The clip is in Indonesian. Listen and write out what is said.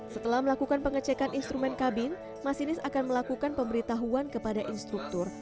setelah melakukan pengecekan instrumen kabin masinis akan melakukan pemberitahuan kepada instruktur